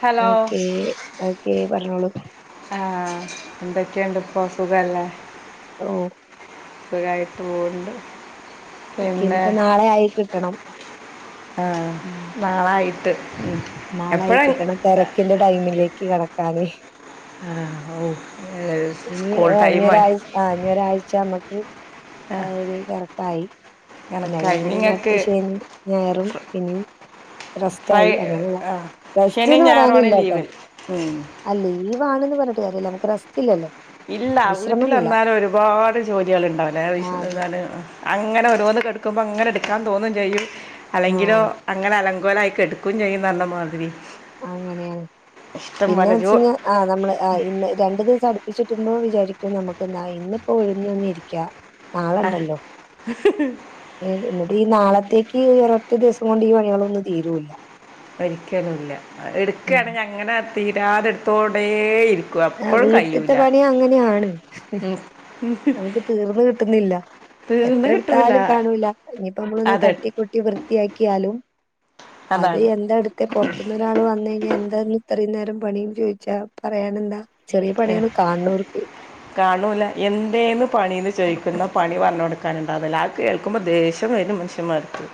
Hello okay, okay പറഞ്ഞോളൂ. ആഹ് എന്തൊക്കെയുണ്ടിപ്പ സുഖല്ലേ? ഓ സുഖായിട്ട് പോണൊണ്ട്. ഓക്കെ പിന്നെ ഇനിയിപ്പോ നാളെ ആയി കിട്ടണം ആഹ് ഉം നാളായിട്ട് നാളായി എപ്പോഴാ കിട്ടെന്ന തെരക്കിന്റെ ടൈമിലേക്ക് കെടക്കാന്. ആഹ് ഓ ഏഹ് സ്കൂൾ ടൈമയി ആഹ് ഇനി ഒരാഴ്ച നമ്മെക്ക് ആ ആഹാ തെരക്കായി. പിന്നെ അത് എനക്ക് കഴിഞ്ഞു പിന്നെ നിങ്ങൾക്ക് അടുത്തത് ശെനി. ഞായറും പിന്നും റെസ്റ്റായി അങ്ങനെയൊള്ളേ. ആഹ് ശെനിയും ഞായറുവാണ് ലീവ്. ഉം ആഹ ലീവാണെന്ന് പറഞ്ഞിട്ട് കാര്യല്ല. നമ്മെക്ക് റസ്റ്റില്ലല്ലോ. ഇല്ല വീട്ടിലെന്തായാലും ഒരുപാട് ജോലികൾ ഉണ്ടാവില്ലേ ആ വിശെനി അതെ ഞാനും. അങ്ങനെ ഓരോന്ന് ക്കെടുക്കുമ്പോൾ അങ്ങനെഓരോന്ന് കിടക്കുമ്പോ ഓരോന്ന് എടുക്കാൻ തോന്നേം ചെയ്യും. ആ അല്ലെങ്കിലോ അങ്ങനെ അലങ്കോലയായി കെട ക്കുകേയും ചെയ്യും പറഞ്ഞ മാതിരി. അങ്ങനെയാണ്. ഇഷ്ടം പിന്നെ പോലെ ജോ വെച്ച്കഴിഞ്ഞാൽ ആഹ നമ്മെള് ആഹ് ഇന്ന് രണ്ടു ദിവസം അടുപ്പിച്ചിട്ടുമ്പോ വിചാരിക്കോ നമുക്ക് ന്നാ ഇന്നിപ്പോ ഒഴിഞ്ഞൊഞ്ഞിഞ്ഞിരിക്കാം. ആ നാളയൊണ്ടല്ലോ? ഏ എന്നിട്ട്. ഈ നാളത്തേക്ക് ഒരൊറ്റ ദിവസം കൊണ്ട് ഈ പണികളൊന്നും തീരൂല്ല. ഒരിക്കലുമില്ല. ഉം എടുക്കുകയാണെ അങ്ങനെ തീരാതെടുത്തോടെ ഇരി ആഹ വീട്ടിത്തെ പണി അങ്ങനെയാണ്. ഉം. നമുക്ക് തീർന്ന് കിട്ടുന്നില്ല. തീർന്ന് എത്ര കിട്ടൂല എടുത്താലും കാണൂല്ല. ഇനിയിപ്പോ നമ്മളൊന്ന് അതെ തട്ടി കൂട്ടി. വൃത്തിയാക്കിയാലും, അത് അതാണ് എന്തായെടുത്തേ പൊറത്തൂന്ന്. ഒരാള് വന്ന് കഴിഞ്ഞാ എന്താന്ന് ഇത്രയും നേരം പണിയെന്ന് ചോദിച്ചാ പറയാനെന്താ. ചെറിയ പണികള് കാണ്ണൂർക്ക്. കാണൂല്ല. എന്തേന്ന് പണീന്ന് ചോദിക്കുമ്പോ പണി പറഞ്ഞു കൊടുക്കാനുണ്ട്. അതല്ലാ ആ കേൾക്കുമ്പോ ദേഷ്യം വെരും മനുഷ്യ നിർത്ത്.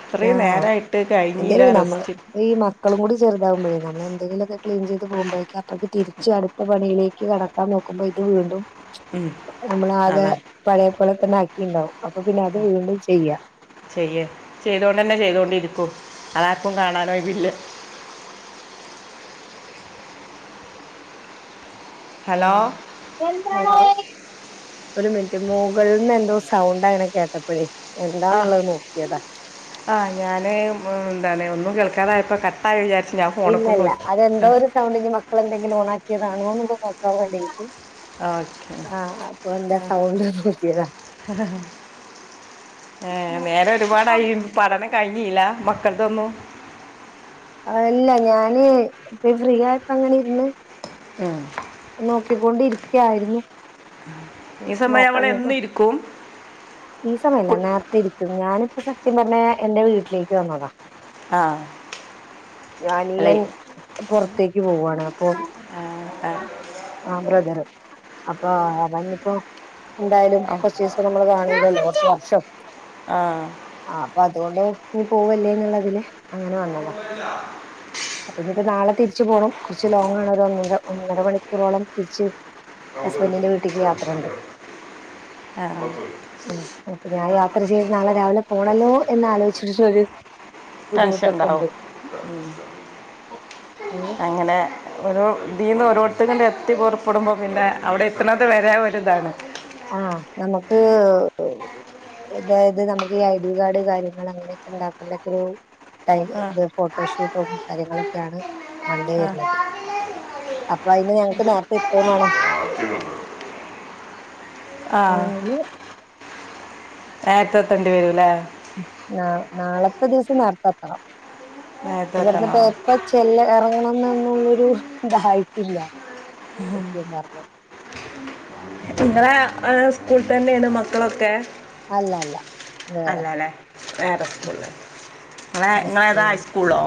ഇത്രേം ആ നേരയായിട്ട് കഴിഞ്ഞില്ല. എന്തേലും നമ്മൾ റെസ്റ്റ്. ഈ മക്കെളു കൂടി ചെറുതാവുമ്പേഴേ. നമ്മെള് എന്തെങ്കിലുക്കെ ക്ലീൻ ചെയ്ത് പോകുമ്പഴേക്ക് അപ്പേക്ക് തിരിച്ചാടും. ടെത്ത പണിയിലേക്ക് കെടക്കാൻ നോക്കുമ്പോ, ഇത് വീണ്ടും. നമ്മളാകെ അതാണ് പഴയ പോലെ തന്നെ ആക്കിയിണ്ടൊവും അപ്പൊ പിന്നെ അത് വീണ്ടും ചെയ്യാ. ചെയ്യ്. ചെയ്തോണ്ട് തന്നെ ചെയ്തൊണ്ടിരിക്കും. അതാർക്കും കാണാനോയില്ല. ഹലോ ആം ഒരു മിനിറ്റ് മൊകളിൽന്ന് എന്തോ സൗണ്ടാണ് അങ്ങനെ കേട്ടെത്. അപ്പഴേ എന്താന്നുള്ളേത് നോക്കിയതാ. ആഹ് ഞാന് മ് എന്താണ് ഒന്നും കേൾക്കാതായപ്പോ കട്ട് ആ വിചാരിച്ചില്ല. ആഹ ഫോണേക്ക് ഒന്ന് നോക്ക്. ആഹ്. സൗണ്ടിനി മക്കെള് എന്തെങ്കിലും ഓണാക്കിയതണോന്ന് നോക്കാൻ വേണ്ടിട്ട്. ഓക്കെ ആഹ് അപ്പൊ എന്താ സൗണ്ട് പോയ് നോക്കിതാ. ഏഹ് നേരം ഒരുപാടായി. പഠനം കഴിഞ്ഞില്ല മക്കൾക്കൊന്നും. അല്ല ഞാന്, ഇപ്പ ഫ്രീയായിപ്പങ്ങനെ ഇരുന്ന്. മ് നോക്കിക്കൊണ്ടിരിക്കയായിരുന്നു. ഈ സമയം നമ്മൾ എന്നും ഇരിക്കും? ഈ സമയമല്ല കു- നേരത്തെ ഇരിക്കും. ഞാനിപ്പോ സത്യം പറഞ്ഞാ എന്റെ വീട്ടിലേക്ക് വന്നതാ. ആഹ് ഞാനീയൻ പൊറത്തേക്ക് പോവാണ്. അപ്പൊ ആ ആ, ആ ബ്രദറ് അപ്പ അവനിപ്പോ എന്തായാലും ആ, കൊറെച്ചീസം നമ്മള് കാ ണല്ലെ കൊറച്ച് വർഷം, ആ ആ ആ അപ്പതോണ്ട് ഇനി പോവല്ലേ എന്നുള്ള ഇതില് അങ്ങനെ വന്നതാ, അപ്പ ഇനിയിപ്പം നാളെ തിരിച്ചു പോണം കൊറച്ച് ലോങ്ങാണ് ഒരു ഒന്നര മണിക്കൂറോളം തിരിച്ച് ഹസ്ബൻഡിന്റെ വീട്ടിക്ക് യാത്രയുണ്ട് [unintelligible] ആഹ് ഹ്മ്മ് അപ്പ ഞാന് യാത്ര ചെയ്ത് നാളെ രാവിലെ പോണല്ലോ എന്ന് ആലോചിച്ചിട്ട് ഒര് ടെൻഷൻ ഇണ്ടാവും ഹ്മ്മ് എങ്ങനെ എങ്ങനെ ഓരോ ഇതീന്ന് ഓരോരുത്തര് അങ്ങ് എത്തി പൊറപ്പെടുമ്പോ പിന്നെ അവടെ എത്ത്ണത് വരെ ഒര് ഇതാണ് ആഹ് നമുക്ക് അതായിത് നമുക്ക് ഈ ഐ ഡി കാർഡ് കാര്യങ്ങളും അങ്ങനെയൊക്കെ ഇണ്ടാക്കേണ്ടരു ടൈംമ് ആ ഇവരെ ഫോട്ടോഷൂട്ടും കാര്യങ്ങളൊക്കെയാണ് മൺഡേ ആ വര്ന്നത് അപ്പ അയിന് ഞങ്ങക്ക് നേരത്തെ എത്തെ വേണം ആഹ്, അങ്ങനെ നേരെത്തെ എത്തണ്ടി വരും ല്ലേ ആഹ് നാളത്തെ ദിവസം നേരത്തെ എത്തണം നേരത്തെ ഇവട്ന്ന് എത്തണോ പേപ്പ ചെല്ല എറങ്ങണന്നൊള്ളൊരു ഇതായിട്ടില്ല സത്യം പറഞ്ഞ ഇങ്ങളെ ആഹ് സ്കൂളി തന്നെണ് മക്കളൊക്കെ? അല്ല അല്ല വേറെ അല്ലല്ലവേറെ സ്കൂള്ല് ഇങ്ങളെ ഇങ്ങളേതാ ഹൈസ്കൂളോ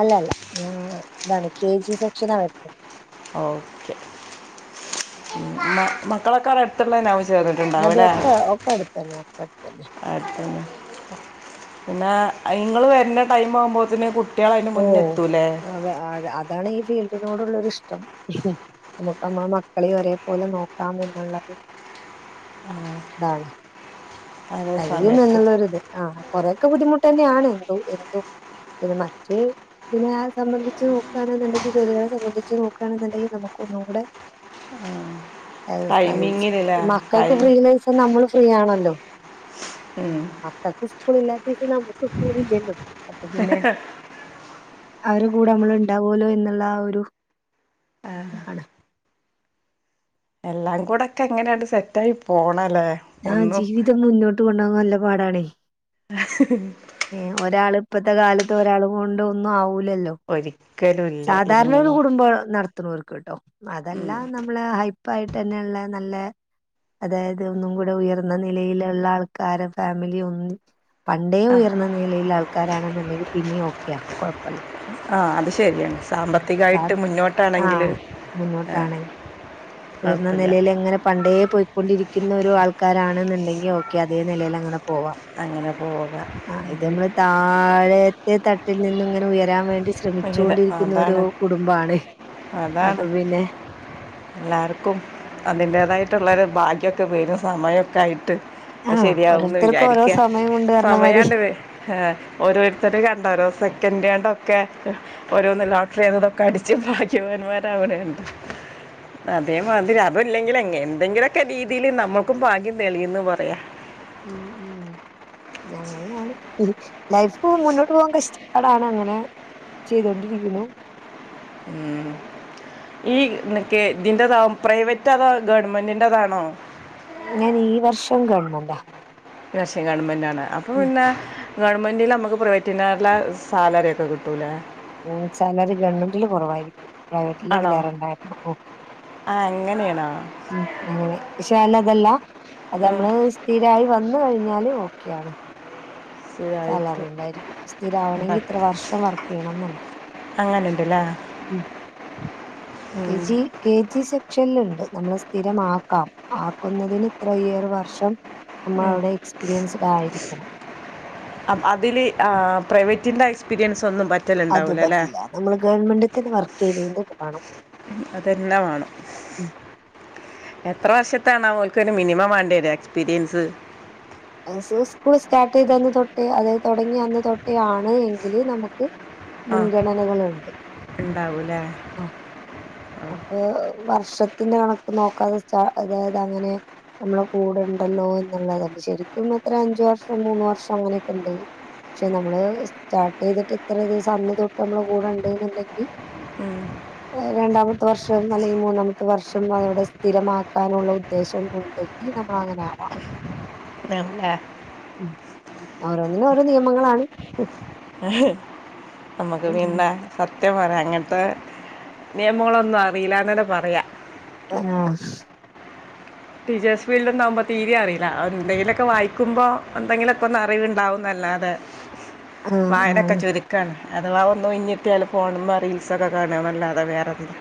അല്ലല്ല [unintelligible] ഇതാണ് കെ ജി സെക്ഷനാ വരുന്നെ ഓക്കെ, മ മക്കളൊക്കെ അവടെ അട് ഇത്തുള്ള സ്കൂളിലാവും അത് ചേർന്ന്ട്ടുണ്ടാവല്ലേ ഒക്കെ ഒക്കെ അടുത്തന്നെ ഒക്കെ അടുത്തന്നെ അതന്നെ പിന്നെ ഇങ്ങള് വരുന്നെ ടൈംമാകുമ്പോത്തിന് കു കുട്ടിയാള് അതിന്റെ മുന്നെത്തൂല്ലേ അതെ അത് ആ അതാണ് ഈ ഫീൽഡിനോടുള്ളൊരിഷ്ടം. നമുക്ക് നമ്മളെ മക്കളീം ഒരേ പോലെ നോക്കാം എന്നുള്ളൊരു ഇതാണ്. അതേ കഴിയും സമയത്ത് എന്നുള്ളൊരിത് ആഹ് കൊറെക്കെ ബുദ്ധിമുട്ടന്നെയാണ് അത് എന്തും പിന്നെ മറ്റ് ഇതിനെ സംബന്ധിച്ച് നോക്കാണെന്നുണ്ടെങ്കിൽ ജോലികളെ സംബന്ധിച്ച് നോകാണെന്നുണ്ടെങ്കി നമുക്ക് ഒന്നും കൂടെ ടൈമിങ്ങിലല്ലേ മക്കൾക്ക് ടൈം ഫ്രീ ഇല്ലെ ദിവസം നമ്മളും ഫ്രീയാണല്ലോ ഹ്മ്മ് മക്കൾക്ക് സ്കൂളില്ലാത്ത ദിവസം നമ്മുക്ക് സ്കൂളില്ലല്ലോ അപ്പ പിന്നെ അവരെ കൂടെ നമ്മള്ണ്ടാവല്ലോ എന്നുള്ള ആ ഒരു ഇതാണ്. എല്ലാം കൂടെ ഒക്കെ അങ്ങനെയണ്ട് സെറ്റായി പോണല്ലേ ആഹ് ഒന്നും ജീവിതൊന്ന് മുന്നോട്ട് കൊണ്ടാവാൻ നല്ല പാടണെ [unintelligible] ഏഹ് ഒരാള് ഇപ്പത്തെ കാലത്ത് ഒരാളെ കൊണ്ട് ഒന്നും ആവുലല്ലോ ഒരിക്കലും ഇല്ല സാധാരണ ഒര് എങ്ങനെ കുടുംബം നടത്ത്ണോൽക്ക്ട്ടോ അതല്ലാ നമ്മള് ഹൈ പ്പായിട്ടന്നെ ഇള്ള നല്ലെ അതായിത് ഒന്നും കൂടെ ഉയർന്ന നിലയിലുള്ള ആൾക്കാരെ ഫാമിലി ഒന്നും പണ്ടേ ആ ഉയർന്ന നിലയിൽ ആൾക്കാരാണെന്നുണ്ടെങ്കിൽ പിന്നെയും ഓക്കെയാ കൊഴപ്പല്ല. ആഹ് അത് ശരിയാണ് സാമ്പത് സാ ത്തികായിട്ട് മുന്നോട്ടാണെങ്കില് ആഹ് മുന്നോട്ടാണെങ്കി ആഹ് ഉയർന്ന നെലേല് എങ്ങനെ പണ്ടേെ പോയിക്കൊണ്ടിരിക്കുന്ന ഒരു ആൾക്കാരാണെന്നുണ്ടെങ്കി ഓക്കെ അതേ നിലേൽ അങ്ങനെ പോവാം. അങ്ങനെ പോവാം. ആഹ് ഇത് നമ്മള് താഴത്തെ തട്ടിൽ നിന്നുംങ്ങൻ ഉയരാൻ വേണ്ടി ശ്രമിച്ചു ഇങ്ങനെ കൊണ്ടിരിക്കുന്ന ഒരു അതാണ് കുടുംബാണ് അപ്പൊ പിന്നെ. എല്ലാർക്കും അതിന്റേതായിട്ടുള്ളൊരു ഭാഗ്യൊക്കെ വരും സമയൊക്കെ ആയിട്ട്. ആഹ് അപ്പശരിയാവുന്ന് ഓരോരുത്തർക്കും ഓരോ വിചാരിക്യ സമയമുണ്ട് പറഞ്ഞമാരി സമയാണ്ട് വേ ആഹ് ഓരോര്ത്തര്ട് കണ്ടോ ഒരോ സെക്കന്റോണ്ടോ ക്കെ ഓരോന്ന് ലോട്രി അതുതോക്കേഅടിച്ച് ഭാഗ്യവാന്മാരവ്ണണ്ട് അതേമാതിരി അതോല്ലങ്കില് എങ് എന്തെങ്കിലൊക്കെ രീതിയിൽ നമ്മുക്കും ഭാഗ്യം തെളീംന്ന് പറയാ ഉം ഉം അങ്ങനെയാണ് ലൈഫ് മുന്നോട്ട് പോകാൻ കഷ്ടപ്പാടാണ് അങ്ങനെ ചെയ്തൊണ്ടിരിക്കുന്നു ഉം ഈ ന്ക്ക് ഇതിന്റതാവു പ്രൈവറ്റതോ ഗവൺമെന്റിന്റതാണോ ഞാൻ ഈ വർഷം ഗവണ്മന്റ ഈ വർഷം ഗവൺമെന്റാണ് അപ്പൊ പിന്നെ ഗവൺമെന്റിലമ്മക്ക് പ്രൈവറ്റിലേലെ സാലറിയൊക്കെ കിട്ടൂലേ ഉം സാലറി ഗവൺമെന്റ്ല് കൊറവായിരിക്കും ആണോ പ്രൈവറ്റിലിതിലേറെണ്ടായിരുന്നു [unintelligible] ആ അങ്ങനെയാണോ ഉം അങ്ങനെ ക്ഷെലതല്ല ഉം, അത്അമ്മള് സ്ഥിരായി വന്ന്കഴിഞ്ഞാല് ഓക്കെയാണ് ശരിയായിട്ട് സാലറിണ്ടായിരിക്കും സ്ഥിരാവണെങ്കിത്ര വർഷം വർക്കയ്യണന്നുണ്ട് അങ്ങനണ്ട്ലെ കെ ജി കെ ജി സെക്ഷൻല്ണ്ട് നമ്മള് സ്ഥിരമാക്കാം ആക്കുന്നതിന് ഇത്രയേറെ വർഷം നമ്മൾഅവിടെ എക്സ്പീരിയൻസ്ഡ് ആയിരിക്കണം അം അതില് ആഹ് പ്രൈവറ്റിന്റെ എക്സ്പീരിയൻസ് ഒന്നും പറ്റ അത് പറ്റില്ല നമ്മള് ഗവൺമെന്റ് തന്നെ വർക്കയ്തീന്റെവാണം അതന്നെവാണം എത്ര വർഷത്താണാവോ ഓൽക്ക് ഒരു മിനിമം വണ്ട്യര എക്സ്പീരിയൻസ് അത് സ് സ്കൂൾ സ്റ്റാട്ടെയ്ത തൊട്ടേ അതായത് തുടങ്ങ്യന്ന് തൊട്ടേ ആണ് എങ്കില് നമുക്ക് ആ മുൻഗണനകളുണ്ട് ഉണ്ടാവൂലേ ആഹ് അപ്പൊ വർഷത്തിന്റെഅണക്ക് നോക്കാതെ സ്റ്റ അതായത് അങ്ങനെ നമ്മളെ കൂടെണ്ടല്ലോ എന്ന്ള്ളതല്ല ശരിക്കും അത്ര അഞ്ച് വർഷം മൂന്ന് വർഷഅങ്ങനെക്കെണ്ട് ക്ഷെ നമ്മള് സ്റ്റാർട്ടയ്തിട്ട് ത്ര ദിവസ അന്ന് തൊട്ടമ്മള് കൂടെണ്ട്ന്ന്ണ്ടങ്കി അത് രണ്ടാമത്തെ വർഷം അല്ലെങ്കിൽ മൂന്നാമത്തെ വർഷം അതോടെ സ്ഥിരമാക്കാനുള്ള ഉദ്ദേശം ഉണ്ട് ഈ നമ്മളങ്ങനെ ആവാം [unintelligible] ഉം ഉം ഓരോന്നിനോരോ നിയമങ്ങളാണ് നമ്മക്ക്പിന്നെ സത്യം പറയ അങ്ങൻത്ത നിയമങ്ങളൊന്നും അറീല്ലന്നന്നെ പറയാ ആഹ് ടീച്ചേഴ്സ് ഫീൽഡോന്നാവുമ്പോൾ തീരി അറീല്ല എന്തെങ്കിലൊക്കെ വായിക്കുമ്പോൾ ന്തെങ്കിലൊകൊന്ന് അറിവ്ണ്ടാവുന്നല്ലാതെ [inaudible] വായനക്കെ ആഹ് ചുര് ക്കാണ് അഥവാ ഒന്നോഴിഞ്ഞിട്ട്യാല് ഫോണ് മ്മ റീൽസൊക്കെ കാണാന്നല്ലാതെ വേറെത് ല്യ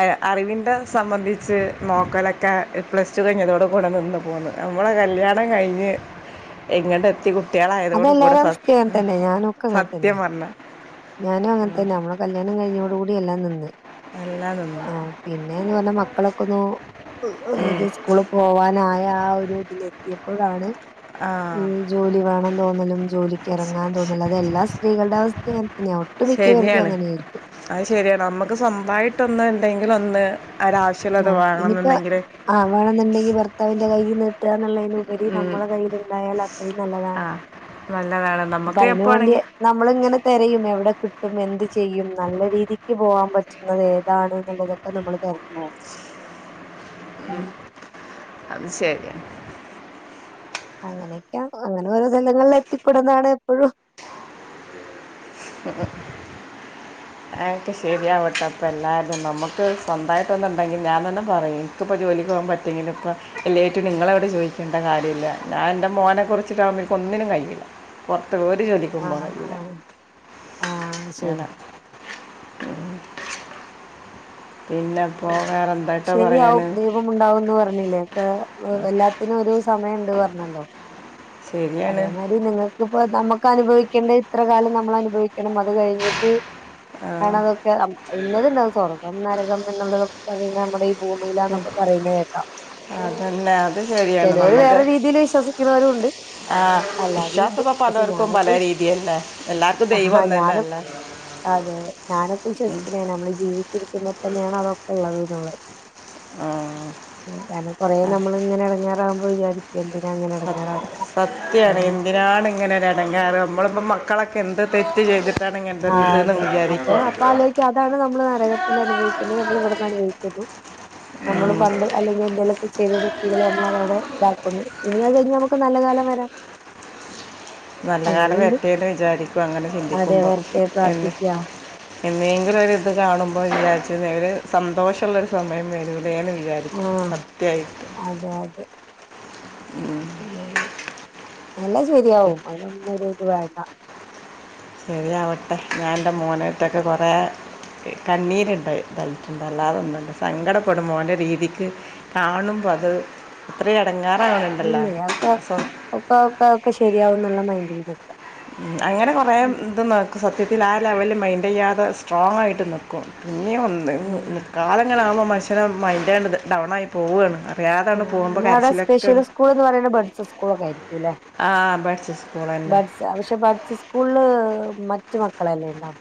അയ അറിവിന്റെ സംബന്ധിച്ച് നോക്കലൊ ക്ക പ്ലസ്ടു കഴിഞ്ഞതോട് കൂടെ നിന്ന് പോന്ന്. അമ്മളെ കല്യാണം കഴിഞ്ഞ് ഇങ്ങണ്ടത്തി കുട്ട്യാളായതോട് കൂടെ അതെല്ലാരും സ അവസ്ഥയും അങ്ങനെ ഹ് തന്നെ സത്യം പർഞ്ഞ ഞാനു അങ്ങൻത്തന്നെ നമ്മള് കല്യാണം കഴിഞ്ഞോട് കൂടി യെല്ലാം നിന്ന്. എല്ലാം നിന്നു ആഹ് പിന്നെന്ന് പർഞ്ഞാ മക്കളൊക്കൊന്നു ഒര് സ്കൂള് പോവാനായ ആ ഒരു തില് എത്തിയപ്പോഴാണ് ആ ഏഹ് ജോലി വേണം തോന്നലും ജോലിക്ക്യ് എറങ്ങാൻ തോന്നലും അത് എല്ലാ സ്ത്രീകൾടെ അവസ് ഥ്യിം അങ്ങൻ തന്ന്യാ. ഒട്ടു മിക്യവർതും അങ്ങനെയായിരിക്കും. അഹ്ശരിയാണ് അമ്മക്ക് സ്വന്തായിട്ടൊന്ന് എന്തെങ്കിലോന്ന് ഒരാവശ് ആഹ് ഇനിയിപ്പ ആഹ് വേണം ന്ന്ണ്ടെങ്കി ഭർത്താവിന്റെ കയ്യ് നീട്ടാന്ന്ള്ളയ്നു ഉപരി നമ്മളെ കയ്യില്ണ്ടായാല് അത്രയും ആ നല്ലതാണ്. നല്ലതാണ് അപ്പ നമുക്ക് അയ്നും വാണ്ടിയ് എപ്പോണെങ്കി നമ്മളിങ്ങനെ തെരയും എവിടെ കിട്ടും എന്ത് ചെയ്യും നല്ല രീതിക്ക് പോവാൻ പറ്റ് ണതേതാണ് ന്നുള്ളതൊക്കെ നമ്മൾ തെരഞ്ഞ് പോവും. [unintelligible] അതും ശര്യാണ്. അങ്ങനെയൊക്കെയാ അങ്ങനെ ഓരോ സ്ഥലങ്ങളിൽ എത്തിപ്പെടുന്നതാണ് എപ്പഴും. [inaudible] അതൊക്കെ ശരിയാവട്ടെ ഇപ്പ എല്ലാര്തും നമുക്ക് സ്വന്തതയിട്ടൊന്നുണ്ടെങ്കി ഞാൻ തന്നെ പറയും. ഇക്ക് പ്പ ജോലിക്ക് പോവാൻ പറ്റൊങ്കില് ഇപ്പം എല്ലേറ്റ്നും ഇങ്ങളോട് ചോയിക്ക്യെണ്ട കാര്യല്ല. ഞാൻ എൻ്റെ മോനെ കുറിച്ചിട്ടാവുമ്പോഴേക്ക് ഒന്നിനും കയ്യൂല്ല. പൊർത്ത് ഒര് ജോലി ക്കും പോവാൻ ആഹ് കയ്യൂല്ല ആഹ് ആഹ് ശരി അങ്ങനെ. ഉഹും പിന്നെ അപ്പോ വേറെ എന്താട്ടാ പറയണ്. പ്പമുണ്ടാവുംന്ന് പർഞ്ഞില്ലേ ഒക്ക എല്ലാത്തിനും ഒരു സമയം ണ്ട് പറഞ്ഞല്ലോ. ശരിയാണ് അതേമായ്രി നിങ്ങൾക്കിപ്പോ നമ്മുക്ക് അനുഭവിക്കേണ്ട ഇത്ര കാലം നമ്മൾ അനുഭവിക്കണം അത് കഴിഞ്ഞിട്ട്. ആണ് ആ അതൊക്കെ ഇന്നത്ണ്ടാവും. സ്വർഗ്ഗം നരകം എന്നുള്ളതൊക്കെ പിന്നെ നമ്മളീ ഭൂമിയിലാന്നൊക്കെ പറയുന്ന കേേക്കാം. അതന്നെ അത് ശരിയാണ് ചെലോര് വേറെ രീതീല് വിശ്വസിക്കുണോരു ഉണ്ട്. ആഹ് അല്ലാതെയും ഉണ്ട് വിശ്വാസം പ്പ പക്ഷെ പലോർക്കും ഞാനൊക്കെ പലേ വിശ് രീതിയല്ലേ എല്ലാർക്കും ദൈവം ആഹ് ഒന്നന്നെ ഞാന് അല്ലേ. അതെ ഞാനൊക്കെ വിശ്വസിക്ക്ണെ നമ്മള് ജീവിച്ചിരിക്കുമ്പം തന്നേണ് അതൊക്കെള്ളത് ന്ന് ള്ളെ. ഉം. കാരണം കൊറേ ആ, നമ്മൾ ഇങ്ങനെ എടങ്ങാറാവുമ്പം വിചാരി ക്കും എന്തിനാ ഇങ്ങന സത്- എടങ്ങാറാക്ണെ. [unintelligible] എന്തിനാണ് ഇങ്ങനെ ഒരെടങ്ങാറ് നമ്മള് ഇപ്പം മക്കളൊക്കെ എന്ത് തെറ്റ് ചെയ്തി ട്ടാണ് ഇങ്ങൻത്തൊരു ആഹ് ദ് ന്ന് അതെ അപ്പൊ വിചാരിക്കും അപ്പൊ ആലോചിക്കും അതാണ് നമ്മൾ നരകത്തില് അനുഭവിക്കണ്ട്യത് നമ്മൾ ഇവടന്ന് അനുഭവിക്കുന്നു. നമ്മള് പണ്ട് അല്ലെങ്കി എന്തെങ്കിലൊക്കെ ചെയ്ത വ്യക്തികൾ നമ്മൾ അതവ്ടെ ഇതാക്കുന്നു. ഇനി അത് കഴിഞ്ഞാ നമു ക്ക് നല്ല കാലം വരാം. നല്ല കാലം അങ്ങനെയുണ്ട് വരട്ടേ ന്ന് വിചാരിക്കും അങ്ങനെ അതെ ചിന്തിക്കുമ്പം. വെറുതെ എന്ന് പ്രാർത്ഥിക്കുക എന്നേങ്കിലും ഒരു ഇത് കാണുമ്പോ വിചാര്ച്ചും ഒര് സന്തോഷള്ള ഒരു സമയം വെര ട്ടേന്ന് വിചാരിക്കും ആഹ് സത്യായിട്ട്. അതെ അതെ ഇല്ല ഇല്ല. എല്ലാംശരിയാവും അയിനൊന്നും ഒരു ഇത് വേണ്ട. ശരിയാവട്ടെ ഞാൻ ഇൻ്റെ മോനേറ്റൊക്കെ കൊറേ കണ്ണീര് ണ്ട് [unintelligible] അല്ലാത ഒന്നുല്ല സങ്കടപ്പെടും മോൻ്റെ രീതിക്ക് കാണുമ്പോ അത് ഇത്രീം എടങ്ങറാവ്‌ണ് ഇല്ല്യ അത് പോ ഒക്ക ഒക്ക ഒക്കെ ശരിയാവും എന്നുള്ള മൈൻഡ് യ്തു ഉം അങ്ങനെ കൊറെേ ഇത് നട സത്യത്തിൽ ആ ലെവല് മൈൻ് യ്യാതെ സ്ട്രോങായിട്ട് നിക്കും പിന്നെ ഉം ഒന്ന് കാലങ്ങളാണൊ മനുഷ്യന് മൈൻഡയ് ണത് ഡൗണായി പോവാണ് ആ പേതാണ് പോവുമ്പോ നമ്മ അവിടെ സ്പെഷ്യൽ കരച്ചിലൊക്കെണ് സ്കൂൾ എന്ന് പറയുന്ന ബഡ്സ് സ്കൂളൊക്കായിരിക്കുല്ലേ ആ പടിച്ച സ്കൂളന്നെ അത്യാവശ്യം ബഡ്സ്സ്കൂളില് മറ്റ് മക്കളെല്ലേ ഉണ്ടാവ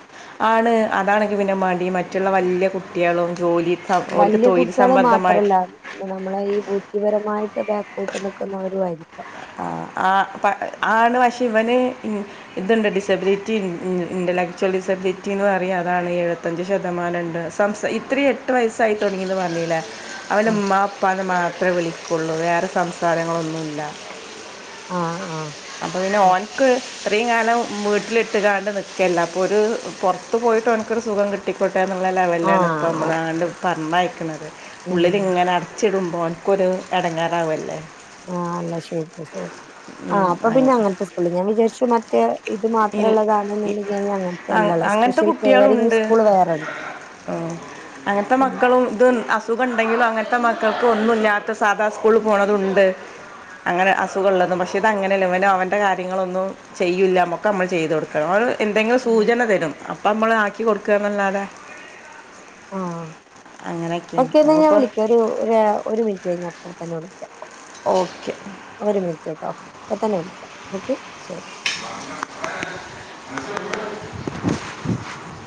ആണ് അതാണെങ്കി പിന്നെ മടി മറ്റുള്ള വല്യ കുട്ട്വാളും ജോലിം വല്യകുട്ട്വാള് മാത്രല്ല നമ്മളെ ഈ ബുദ്ധിപരമായിട്ട് ബേക്കഔട്ട് നിക്കുന്നവരു ആയിരിക്കാം ആ ആ ആണ് പക്ഷെ ഇവന് ഇൻ ഇത്ണ്ട് ഡിസബിലിറ്റി ഇൻ്റെലക്ചബിലിറ്റി എന്ന് പറയും അതാണ് എഴു വത്തഞ്ച് ശതമാനം ണ്ട് സംസ് ഇത്രിം എട്ട് വയസ്സായി തൊടങ്ങിന്ന് പറഞ്ഞില്ലേ അവൻ ആ ഉമ്മാ പ്പാന്ന് മാത്രേ വിളി കൊള്ളൂ വേറെ സംസാരങ്ങളൊന്നുല്ല ആഹ് ആഹ് അപ്പൊ പിന്നെ ഓന്ക്ക് ഇത്രിം കാലം വീട്ടിലിട്ട് കാണ്ട് നിക്കല്ലേ അപ്പോ ഒരു പൊറത്ത് പോയിട്ട് ഓന്ക്കൊരു സുഖം കി ട്ടിക്കൊട്ടേ എന്നുള്ള ആ ലെവലിലാണ് ഇപ്പോൾ നമ്മളാണ്ട് ഓക്കെ പറഞ്ഞയക്ക്ണത് ഉം ഉള്ളിലിങ്ങനെ അടച്ചിടുമ്പോ ഓന്ക്കൊരു എടങ്ങറാവല്ലേ ആഹ് ന്ന ശരി ശരി ഉം, ആഹ് അപ്പൊ പിന്നെ അങ്ങനെ അങ്ങനത്തെ സ്കൂളിൽ ഞാൻ വിചാരിച്ചു മറ്റേ ഇത് ഇൽ- ഇ- മാത്രള്ളതാണെന്ന്ണ്ടങ്കി അയിനങ്ങ ന് അ- [unintelligible] സ്പെഷ്യൽ കെയറിങ്ങ് സ്കൂൾ വേറെണ്ട് അ അങ്ങനത്തെ ഉം മക്കൾ ക്ക് അസുഖം ഉണ്ടെങ്കിലും [unintelligible] അസുഖണ്ടങ്കിലു അങ്ങനത്തെ മക്കൾക്ക് ഒന്നുല്ലാത്ത സാധാ സ്കൂൾ പോണതുണ്ട് അങ്ങനെ അസുഖഉള്ളതും പക്ഷെ ഇതങ്ങനെ അവൻ അവന്റെ കാര്യങ്ങളൊന്നും ചെയ്യൂല്ല ഒക്കെ നമ്മൾ ചെയ്ത് കൊടുക്കണം അവൻ എന്തെങ്കിലും സൂചന തരും അ അപ്പ നമ്മള് ആക്കി കൊടുക്കാന്നല്ലാതെ ആഹ് ഓക്കെ എന്നാ ഞാൻ വിളിക്കാം ഒരു ഒരു മിനിറ്റ് കഴിഞ്ഞപ്പ തന്നെ വിളിക്കാം ഓക്കെ ഒരു മിനിറ്റ് ട്ടോ ഇപ്പൊ തന്നെ വിളിക്കാം ഓക്കെ ശരി [inaudible]